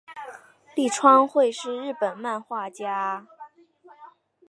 立川惠是日本漫画家。